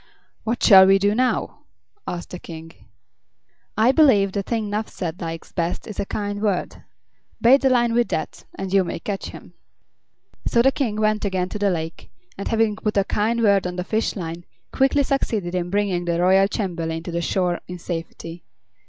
"What shall we do now?" asked the King. "I believe the thing Nuphsed likes best is a kind word. Bait the line with that, and you may catch him." So the King went again to the lake, and having put a kind word on the fish line quickly succeeded in bringing the royal chamberlain to the shore in safety.